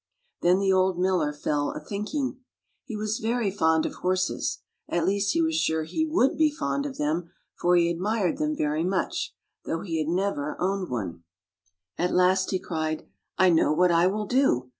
" Then the old miller fell a thinking. He was very fond of horses — at least he was sure he would be fond of them, for he ad mired them very much, though he never had owned one. At last he cried, " I know what I will do.